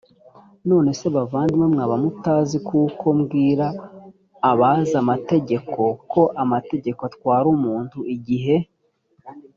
none se bavandimwe mwaba mutazi kuko mbwira abazi amategeko ko amategeko atwara umuntu igihe